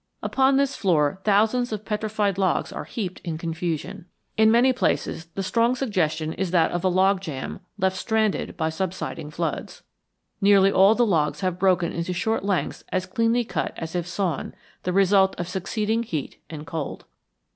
Upon this floor thousands of petrified logs are heaped in confusion. In many places the strong suggestion is that of a log jam left stranded by subsiding floods. Nearly all the logs have broken into short lengths as cleanly cut as if sawn, the result of succeeding heat and cold.